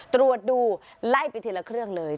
ตรวจดูไล่ไปทีละเครื่องเลย